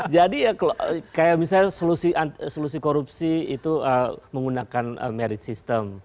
jadi ya kalau misalnya solusi korupsi itu menggunakan merit system